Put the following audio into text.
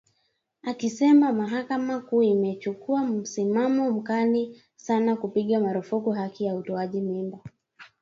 akisema Mahakama Kuu imechukua msimamo mkali sana kupiga marufuku haki ya utoaji mimba